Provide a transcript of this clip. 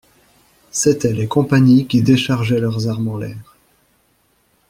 C'étaient les compagnies qui déchargeaient leurs armes en l'air.